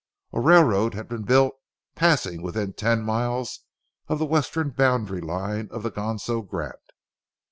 A railroad had been built, passing within ten miles of the western boundary line of the Ganso grant.